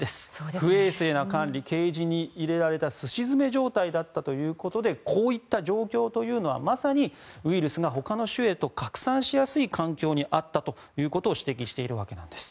不衛生な管理ケージに入れられたすし詰め状態だったということでこういった状況はまさにウイルスが他の種へと拡散しやすい環境にあったことを指摘しているわけです。